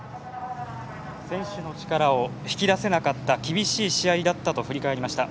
選手の力を引き出せなかった厳しい試合だったと振り返りました。